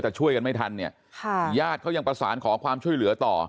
แต่ช่วยกันไม่ทันเนี่ยค่ะญาติเขายังประสานขอความช่วยเหลือต่อ